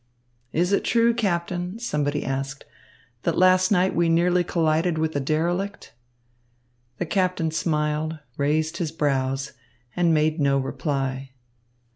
"Is it true, Captain," somebody asked, "that last night we nearly collided with a derelict?" The captain smiled, raised his brows, and made no reply.